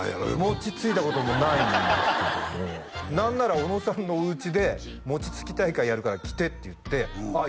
餅ついたこともないんですけども何なら小野さんのお家で餅つき大会やるから来てって言ってああ